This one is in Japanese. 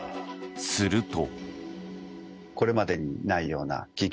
すると。